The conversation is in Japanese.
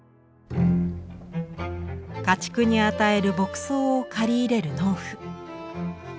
家畜に与える牧草を刈り入れる農夫。